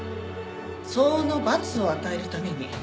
相応の罰を与えるために。